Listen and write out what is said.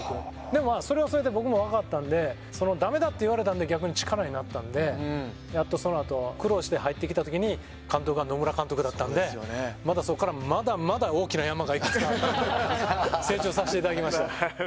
でもそれはそれで僕も分かったんで、ダメだといわれたので逆に力になったのでやっとそのあと、苦労して入ってきたときに監督が野村監督だったんで、まだそこから、まだまだ大きな山がいくつかあって成長させていただきました。